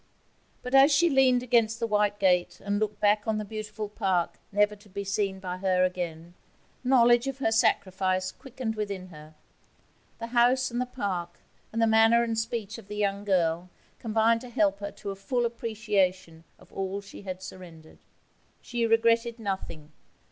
But as she leaned against the white gate, and looked back on the beautiful park never to be seen by her again, knowledge of her sacrifice quickened within her the house and the park, and the manner and speech of the young girl, combined to help her to a full appreciation of all she had surrendered. She regretted nothing.